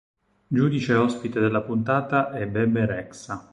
Giudice ospite della puntata è Bebe Rexha.